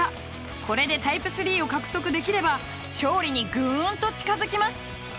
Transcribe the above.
これでタイプ３を獲得できれば勝利にぐんと近づきます。